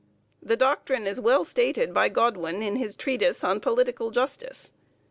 The doctrine is well stated by Godwin in his treatise on Political Justice.